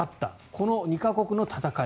この２か国の戦い